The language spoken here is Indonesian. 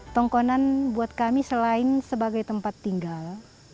tongkonan buat kami selain sebagai tempat tinggal